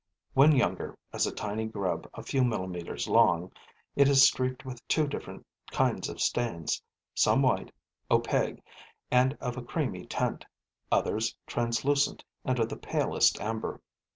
When younger, as a tiny grub a few millimeters long, it is streaked with two different kinds of stains, some white, opaque and of a creamy tint, others translucent and of the palest amber.